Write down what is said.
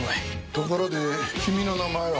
ところで君の名前は？